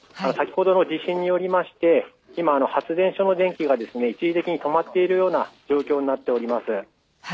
先ほどの地震によりまして今、発電所の電気が一時的に止まっているような状況になっております。